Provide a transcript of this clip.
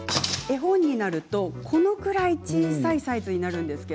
絵本になると、このぐらい小さなサイズになるんですね